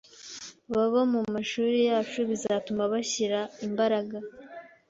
babo mumashuri yacu bizatuma bashyira imbaraga